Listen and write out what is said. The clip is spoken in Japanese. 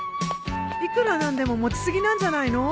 いくら何でも持ちすぎなんじゃないの？